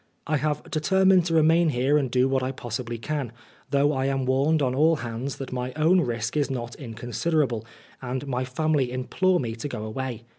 I have determined to remain here and do what I possibly can, though I am warned on all hands that my own risk is not inconsiderable, and my family implore me to go away.